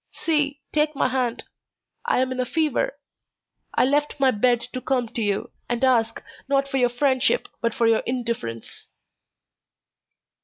See, take my hand. I am in a fever. I left my bed to come to you, and ask, not for your friendship, but for your indifference."